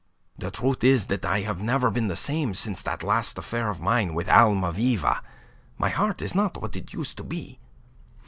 The truth is that I have never been the same since that last affair of mine with Almaviva. My heart is not what it used to be.